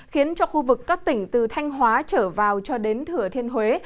khiến cho khu vực các tỉnh từ thanh hóa trở vào cho đến thừa thiên huế